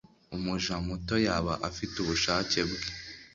umuja muto yaba afite ubushake bwe